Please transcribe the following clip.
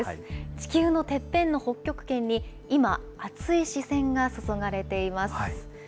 地球のてっぺんの北極圏に今、熱い視線が注がれています。